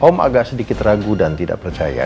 om agak sedikit ragu dan tidak percaya